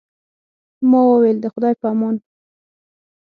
ما وویل، د خدای په امان.